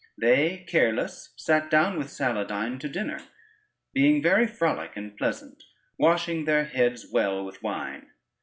They, careless, sat down with Saladyne to dinner, being very frolic and pleasant, washing their heads well with wine.